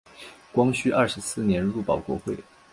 光绪二十四年入保国会。